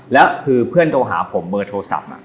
แล้วคือเพื่อนโทรหาผมเบอร์โทรศัพท์